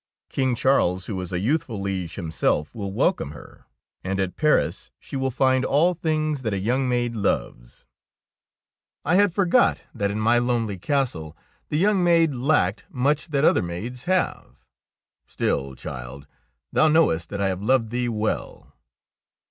King Charles, who is a youthful liege himself, will welcome 28 THE KOBE OF THE DUCHESS her, and at Paris she will find all things that a young maid loves/' I had forgot that in my lonely castle the young maid lacked much that other maids have. Still, child, thou knowest that I have loved thee well."